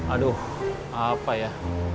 aduh apa ya